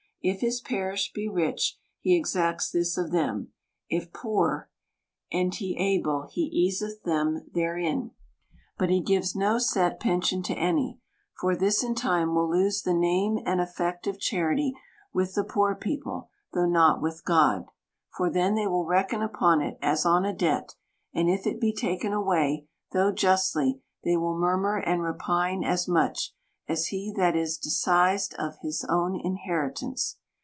If his parish be rich, he exacts this of them ; if poor, and he 32 THE COUNTRY PARSON. able, he easeth them therein. But he gives no set pen sion to any ; for this in time will lose the name and effect of charity with the poor people, though not with God ; for then they will reckon upon it, as on a debt ; and if it be taken away, though justly, they will mur mur and repine as much, as he that is disseised of his own inheritance.